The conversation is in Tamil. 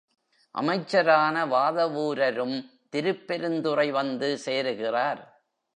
அமைச்சரான வாதவூரரும் திருப்பெருந்துறை வந்து சேருகிறார்.